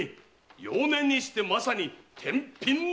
幼年にしてまさに天稟の誉れ！